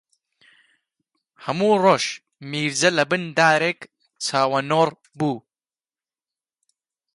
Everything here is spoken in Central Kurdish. هەموو ڕۆژ میرجە لەبن دارێک چاوەنۆڕ بوو